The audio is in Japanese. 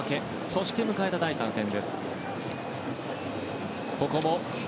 そして、迎えた第３戦。